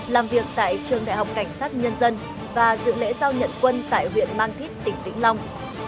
làm việc tại trường đại học cảnh sát nhân dân và dự lễ giao nhận quân tại huyện mang thít tỉnh vĩnh long